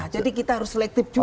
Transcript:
jadi kita harus selektif juga